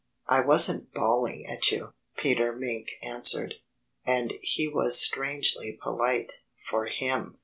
"I wasn't bawling at you," Peter Mink answered. And he was strangely polite, for him.